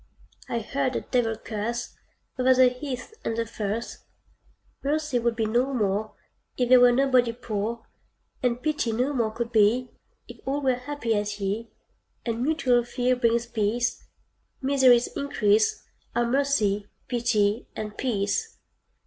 I heard a devil curse Over the heath and the furse: "Mercy vould be no more If there were nobody poor, And pity no more could be If all were happy as ye: And mutual fear brings peace, Misery's increase Are mercy, pity, and peace."